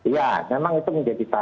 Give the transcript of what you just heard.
iya memang itu bisa